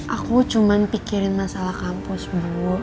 aku cuma pikirin masalah kampus bu